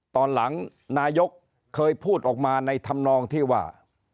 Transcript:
ตอนหลังนายกเคยพูดออกมาในธรรมนองที่ว่า